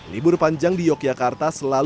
libur panjang di yogyakarta selalu